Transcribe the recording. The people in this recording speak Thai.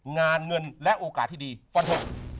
งานเงินและโอกาสที่ดีฟันทง